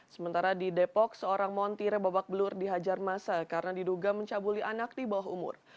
sementara di depok seorang montir babak belur dihajar masa karena diduga mencabuli anak di bawah umur